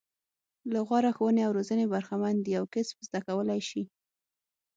له غوره ښوونې او روزنې برخمن دي او کسب زده کولای شي.